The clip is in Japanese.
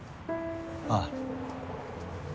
ああ。